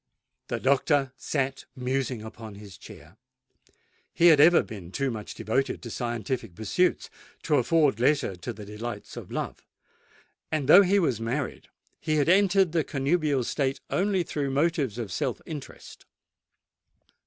The doctor sate musing upon his chair. He had ever been too much devoted to scientific pursuits to afford leisure for the delights of love; and though he was married, he had entered the connubial state only through motives of self interest.